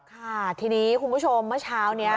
ค่ะทีนี้คุณผู้ชมเมื่อเช้านี้